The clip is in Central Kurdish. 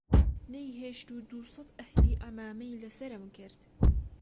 نەیهێشت و دووسەد ئەهلی عەمامەی لە سەرم کرد